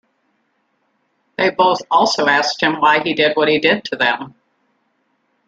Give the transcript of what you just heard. They both also asked him why he did what he did to them.